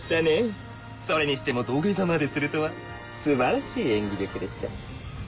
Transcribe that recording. それにしても土下座までするとは素晴らしい演技力でした